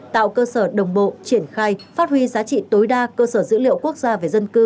tạo cơ sở đồng bộ triển khai phát huy giá trị tối đa cơ sở dữ liệu quốc gia về dân cư